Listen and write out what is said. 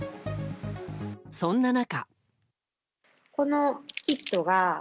そんな中。